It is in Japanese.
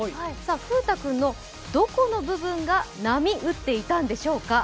ふう太君のどこの部分が波打っていたんでしょうか。